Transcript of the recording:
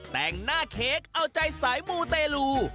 แต่งหน้าเค้กเอาใจสายมูเตลู